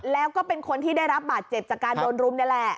แล้วก็เป็นคนที่ได้รับบาดเจ็บจากการโดนรุมนี่แหละ